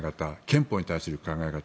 憲法に対する考え方